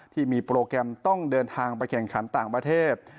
ที่มีโปรแกรมต้องเดินทางไปแข่งขันต่างประเทศ